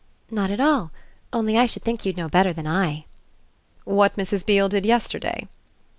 "Not at all; only I should think you'd know better than I." "What Mrs. Beale did yesterday?"